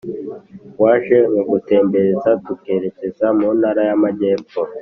Waje nkagutembereza tukerekeza mu Ntara y’Amajyepfo